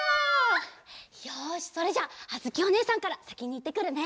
よしそれじゃあづきおねえさんからさきにいってくるね。